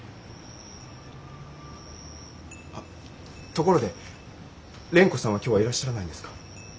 ところで蓮子さんは今日はいらっしゃらないんですか？